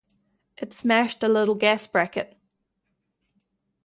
It smashed a little gas bracket.